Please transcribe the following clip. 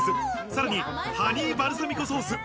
さらにハニーバルサミコソース。